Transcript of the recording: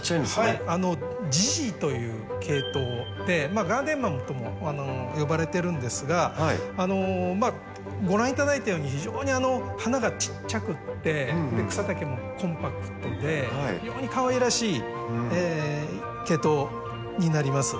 ジジという系統でガーデンマムとも呼ばれてるんですがご覧頂いたように非常に花がちっちゃくって草丈もコンパクトで非常にかわいらしい系統になります。